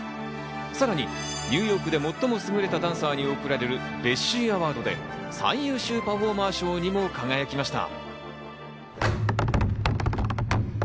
さらにニューヨークで最も優れたダンサーに贈られるベッシーアワードで最優秀パフォーマー賞にも輝きました。